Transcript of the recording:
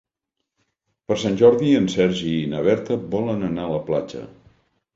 Per Sant Jordi en Sergi i na Berta volen anar a la platja.